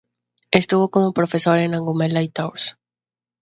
Estuvo como profesor en Angulema y Tours.